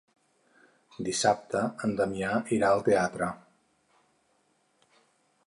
Dissabte en Damià irà al teatre.